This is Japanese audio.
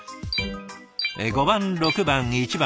５番６番１番。